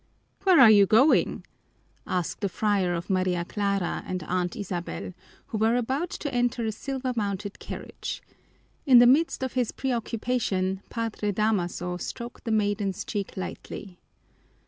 "Where are you going?" asked the friar of Maria Clara and Aunt Isabel, who were about to enter a silver mounted carriage. In the midst of his preoccupation Padre Damaso stroked the maiden's cheek lightly.